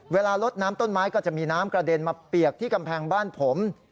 เวลาลดน้ำต้นไม้ก็จะมีน้ำกระเด็นมาเปียกที่กำแพงบ้านผม